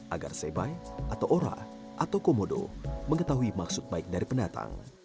agar sebay atau ora atau komodo mengetahui maksud baik dari pendatang